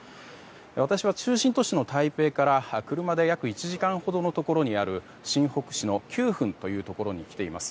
私はは中心都市の台北から車で約１時間ほどのところにある新北市のキュウフンというところに来ています。